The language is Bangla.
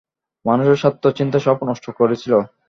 মানুষের স্বার্থ-চিন্তা সব নষ্ট করেছিল।